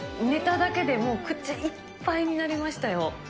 ネタだけでもう口いっぱいになりましたよ。